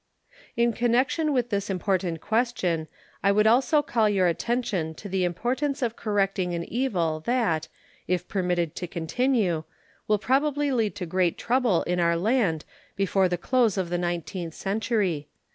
In connection with this important question I would also call your attention to the importance of correcting an evil that, if permitted to continue, will probably lead to great trouble in our land before the close of the nineteenth century.